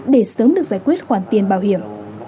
để sớm được giải quyết khoản tiền bảo hiểm